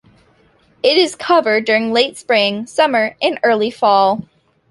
It is covered during late spring, summer and early fall.